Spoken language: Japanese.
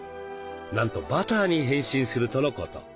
なんとバターに変身するとのこと。